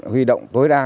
huy động tối đa